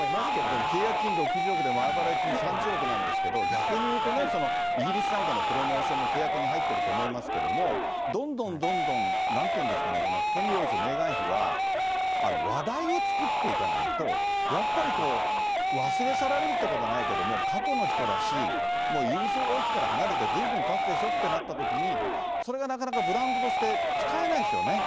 でも契約金６０億で前払い金３０億なんですけど、逆に言うとね、イギリスなんかのプロモーションも契約に入ってると思いますけども、どんどんどんどん、なんていうんですかね、このヘンリー王子とメーガン妃は話題を作っていかないと、やっぱりこう、忘れ去られるってことはないけれども、過去の人だし、もうイギリス王室から離れてずいぶんたつでしょってなったときに、それがなかなかブランドとして使えないですよね。